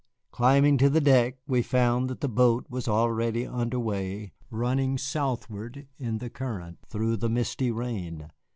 Climbing to the deck, we found that the boat was already under way, running southward in the current through the misty rain.